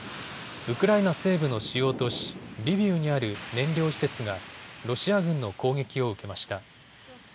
ウクライナ西部の主要都市、リビウにある燃料施設がロシア軍の攻撃を受けました。